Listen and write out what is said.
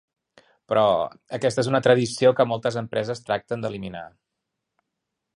Però, aquesta és una tradició que moltes empreses tracten d'eliminar.